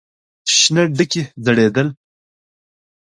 شنه ډکي ځړېدل.